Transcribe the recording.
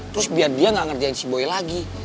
terus biar dia gak ngerjain si boy lagi